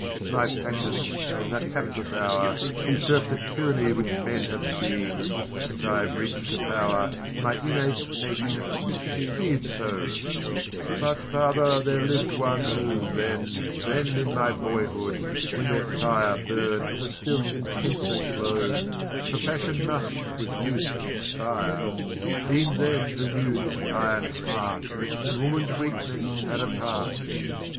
My passions, from that hapless hour, Usurp'd a tyranny which men Have deem'd, since I have reach'd to power, My innate nature be it so: But father, there liv'd one who, then, Then in my boyhood when their fire Burn'd with a still intenser glow, (For passion must, with youth, expire) E'en then who knew this iron heart In woman's weakness had a part.